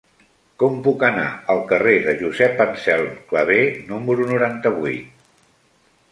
Com puc anar al carrer de Josep Anselm Clavé número noranta-vuit?